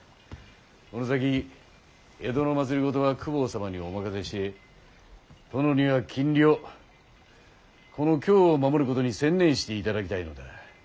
この先江戸の政は公方様にお任せして殿には禁裏をこの京を守ることに専念していただきたいのだ。